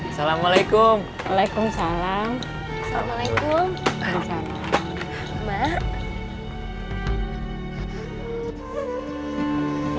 assalamualaikum waalaikumsalam waalaikumsalam